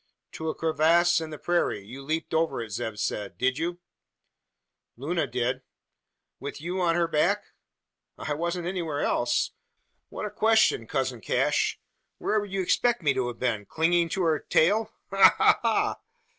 "To a crevasse in the prairie. You leaped over it, Zeb said. Did you?" "Luna did." "With you on her back?" "I wasn't anywhere else! What a question, cousin Cash! Where would you expect me to have been? Clinging to her tail? Ha! ha! ha!"